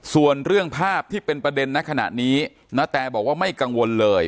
ส่วนเรื่องภาพที่เป็นประเด็นในขณะนี้ณแตบอกว่าไม่กังวลเลย